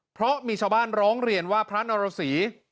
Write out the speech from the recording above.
เพราะมีชาวบ้านร้องเรียนว่าพระนรสี